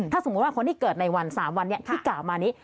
ถ้าสมมุติว่าคนที่เกิดในวัน๓วันนี้ที่กล่าวมานี้